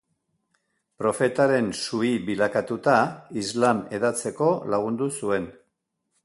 Profetaren suhi bilakatuta islam hedatzeko lagundu zuen.